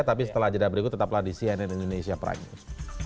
tapi setelah jeda berikut tetaplah di cnn indonesia prime news